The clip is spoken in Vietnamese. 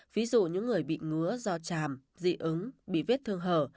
ví dụ những người bị ngứa do chàm dị ứng bị viết thương hở